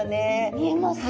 見えます。